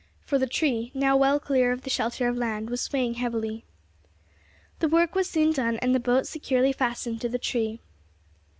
For the tree, now well clear of the shelter of the land, was swaying heavily. The work was soon done, and the boat securely fastened to the tree.